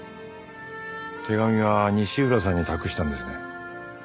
手紙は西浦さんに託したんですね。